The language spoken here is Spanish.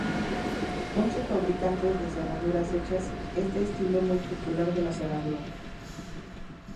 Muchos fabricantes de cerraduras hechas este estilo muy popular de la cerradura.